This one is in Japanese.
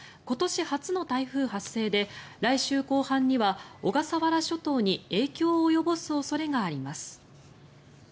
今年初の台風発生で来週後半には小笠原諸島に影響を及ぼす恐れがあります。